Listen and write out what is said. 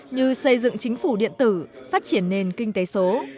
như xây dựng chính phủ điện tử phát triển nền kinh tế số